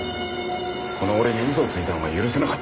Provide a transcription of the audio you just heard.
「この俺に嘘をついたのが許せなかった」